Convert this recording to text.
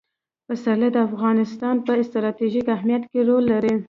پسرلی د افغانستان په ستراتیژیک اهمیت کې رول لري.